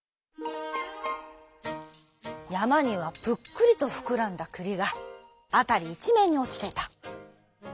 やまにはぷっくりとふくらんだくりがあたりいちめんにおちていた。